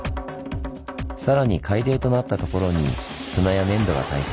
更に海底となったところに砂や粘土が堆積。